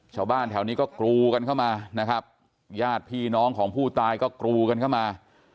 ชาวบ้านแถวนี้ก็กรูกันเข้ามานะครับญาติพี่น้องของผู้ตายก็กรูกันเข้ามา